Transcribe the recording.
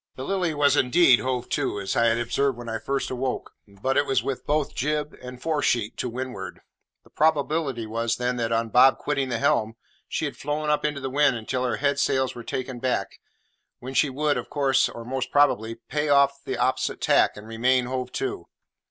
The Lily was indeed hove to, as I had observed when I first awoke; but it was with both jib and fore sheet to windward. The probability was then that, on Bob quitting the helm, she had flown up into the wind until her head sails were taken aback, when she would, of course, or most probably, pay off on the opposite tack, and remain hove to.